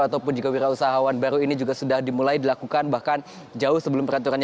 ataupun juga wira usahawan baru ini juga sudah dimulai dilakukan bahkan jauh sebelum peraturannya